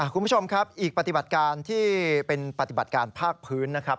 คุณผู้ชมครับอีกปฏิบัติการที่เป็นปฏิบัติการภาคพื้นนะครับ